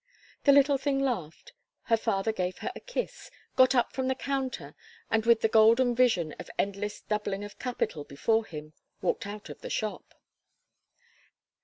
The little thing laughed; her father gave her a kiss; got up from the counter, and with the golden vision of endless doubling of capital before him, walked out of the shop.